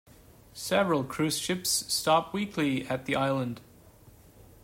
Several cruise ships stop weekly at the island.